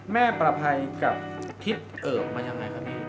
แม่ปรภัยกับทิศเอิ่มมันยังไงครับพี่